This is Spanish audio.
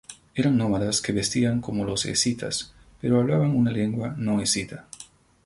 Eran nómadas que vestían como los escitas pero hablaban una lengua no escita.